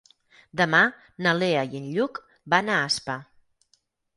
Demà na Lea i en Lluc van a Aspa.